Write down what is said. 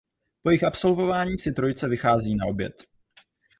Po jejich absolvování si trojice vychází na oběd.